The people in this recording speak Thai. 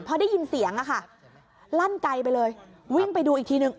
พอได้ยินเสียงอะค่ะลั่นไกลไปเลยวิ่งไปดูอีกทีนึง